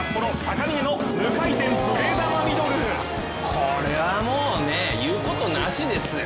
これはもう言うことなしですよ。